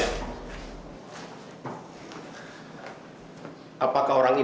hidup tanpa mu